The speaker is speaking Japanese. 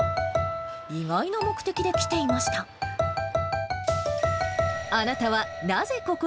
意外な目的で来ていました。